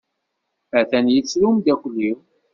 Atan yettru umdakel-iw.